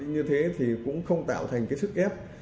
như thế thì cũng không tạo thành cái sức ép